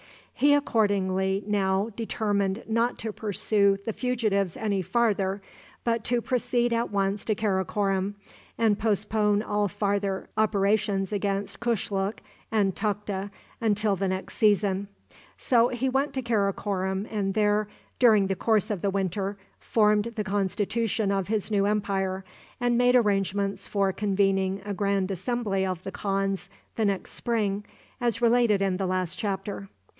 He accordingly now determined not to pursue the fugitives any farther, but to proceed at once to Karakorom, and postpone all farther operations against Kushluk and Tukta until the next season. So he went to Karakorom, and there, during the course of the winter, formed the constitution of his new empire, and made arrangements for convening a grand assembly of the khans the next spring, as related in the last chapter.